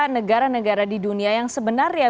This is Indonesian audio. negara negara di dunia yang sebenarnya